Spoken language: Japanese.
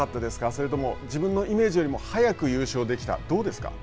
それとも自分のイメージよりも早く優勝できた。